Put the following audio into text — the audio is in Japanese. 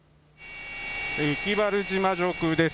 浮原島上空です。